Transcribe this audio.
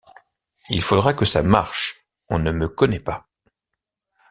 Il faudra que ça marche, on ne me connaît pas!